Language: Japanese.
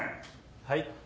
はい。